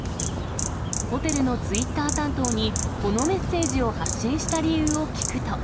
ホテルのツイッター担当に、このメッセージを発信した理由を聞くと。